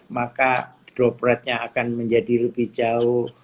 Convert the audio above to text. maka drop rate nya akan menjadi lebih jauh